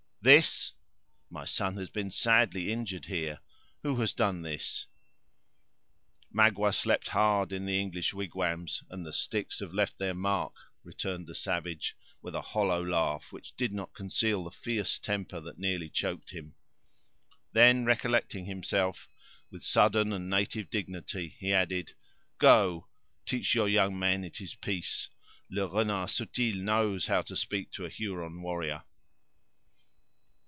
"This!—my son has been sadly injured here; who has done this?" "Magua slept hard in the English wigwams, and the sticks have left their mark," returned the savage, with a hollow laugh, which did not conceal the fierce temper that nearly choked him. Then, recollecting himself, with sudden and native dignity, he added: "Go; teach your young men it is peace. Le Renard Subtil knows how to speak to a Huron warrior."